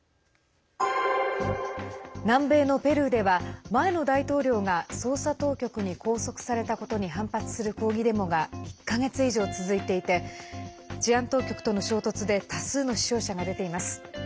南米のペルーでは前の大統領が捜査当局に拘束されたことに反発する抗議デモが１か月以上、続いていて治安当局との衝突で多数の死傷者が出ています。